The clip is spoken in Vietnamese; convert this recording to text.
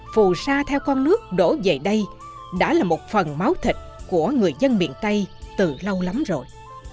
phù sa theo con nước đổ về đây đã là một phần máu thịt của người dân miền tây từ lâu lắm rồi